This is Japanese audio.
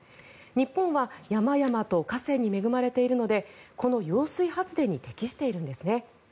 日本は山々と河川に恵まれているのでこの揚水発電に適しているんですね。